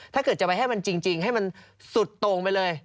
ถ้าเกิดจะไปให้มันจริงให้มันสุดตรงไปเลย